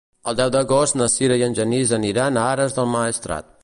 El deu d'agost na Sira i en Genís aniran a Ares del Maestrat.